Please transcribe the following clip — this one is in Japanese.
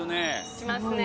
しますね。